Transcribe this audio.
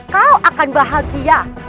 kau akan bahagia